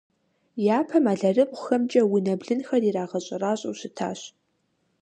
Япэм алэрыбгъухэмкӏэ унэ блынхэр ирагъэщӏэращӏэу щытащ.